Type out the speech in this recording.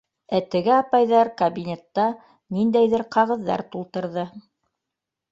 Ә теге апайҙар кабинетта ниндәйҙер ҡағыҙҙар тултырҙы.